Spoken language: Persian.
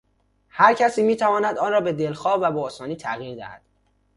هر کسی میتواند آن را به دلخواه و به آسانی تغییر دهد